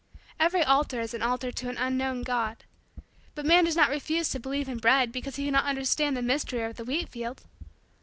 Every altar is an altar to an unknown God. But man does not refuse to believe in bread because he cannot understand the mystery of the wheat field.